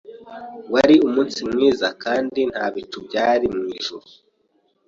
Wari umunsi mwiza kandi nta bicu byari mwijuru.